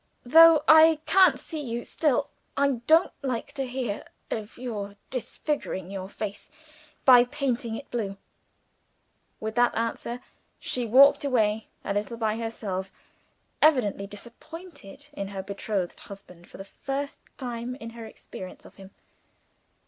"Though I can't see you, still I don't like to hear of your disfiguring your face by painting it blue." With that answer, she walked away a little by herself, evidently disappointed in her betrothed husband for the first time in her experience of him.